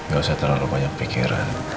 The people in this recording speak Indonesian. gak usah terlalu banyak pikiran